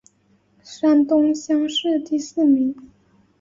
山东乡试第四名。